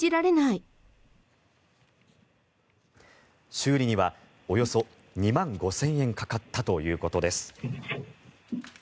修理にはおよそ２万５０００円かかったということです。